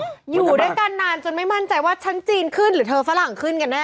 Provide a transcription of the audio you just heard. อยู่ด้วยกันนานจนไม่มั่นใจว่าชั้นจีนขึ้นหรือเธอฝรั่งขึ้นกันแน่